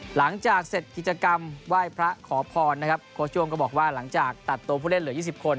หลังจากเสร็จกิจกรรมไหว้พระขอพรนะครับโค้ชโย่งก็บอกว่าหลังจากตัดตัวผู้เล่นเหลือ๒๐คน